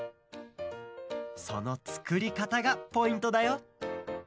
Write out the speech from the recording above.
そのつくりかたがポイントだよ